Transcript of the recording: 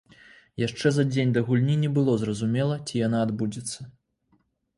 Яшчэ за дзень да гульні не было зразумела, ці яна адбудзецца.